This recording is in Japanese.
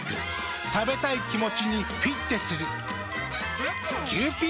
食べたい気持ちにフィッテする。